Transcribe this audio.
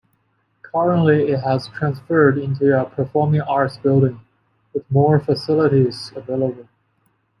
Currently it has transferred into a Performing Arts building, with more facilities available.